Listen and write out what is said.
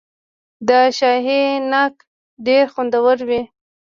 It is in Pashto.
د شاهي ناک ډیر خوندور وي.